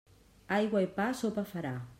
Aigua i pa, sopa farà.